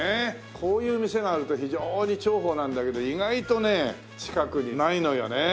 こういう店があると非常に重宝なんだけど意外とね近くにないのよね。